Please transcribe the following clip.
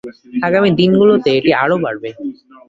আগামী দিনগুলোতে এটি আরও বাড়বে।